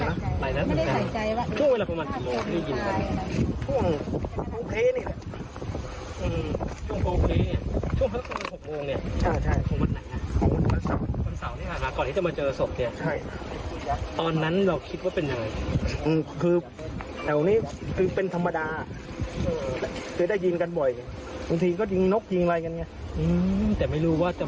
แต่ไม่รู้ว่าจะมาเป็นแบบนี้